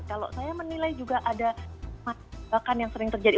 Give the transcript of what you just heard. kalau saya menilai juga ada masyarakat yang sering terjadi